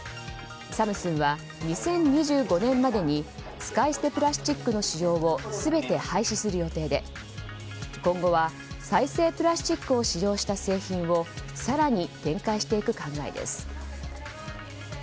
サムスンは２０２５年までに使い捨てプラスチックの使用を全て廃止する予定で今後は再生プラスチックを使用した製品を更に展開していく考えです。